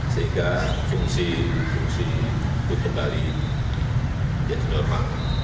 sehingga fungsi fungsi itu kembali jadi normal